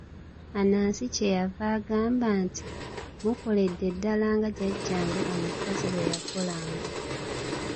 Anansi kye yava agamba nti, mukoledde ddala nga jjajjaange omukazi bwe yakolanga.